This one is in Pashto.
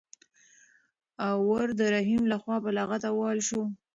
ور د رحیم لخوا په لغته ووهل شو.